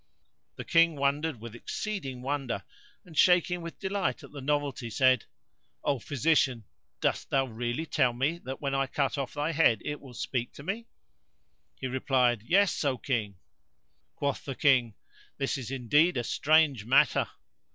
The King wondered with exceeding wonder and shaking[FN#99] with delight at the novelty, said, "O physician, dost thou really tell me that when I cut off thy head it will speak to me?" He replied, "Yes, O King!" Quoth the King, "This is indeed a strange matter!"